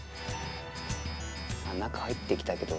中入ってきたけど。